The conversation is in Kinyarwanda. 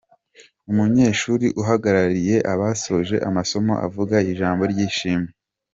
Umunyeshuri uhagarariye abasoje amasomo avuga ijambo ryishimwe.